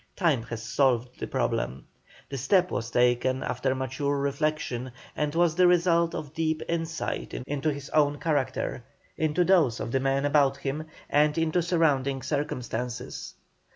Time has solved the problem. The step was taken after mature reflection, and was the result of deep insight into his own character, into those of the men about him, and into surrounding circumstances.